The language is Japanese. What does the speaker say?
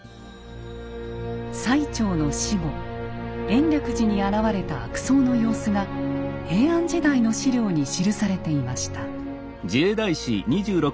最澄の死後延暦寺に現れた悪僧の様子が平安時代の史料に記されていました。